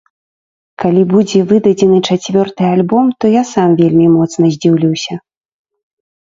Калі будзе выдадзены чацвёрты альбом, то я сам вельмі моцна здзіўлюся.